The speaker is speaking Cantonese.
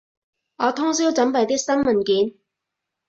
我通宵準備啲新文件